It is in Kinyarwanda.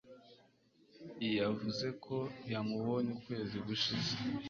Yavuze ko yamubonye ukwezi gushize.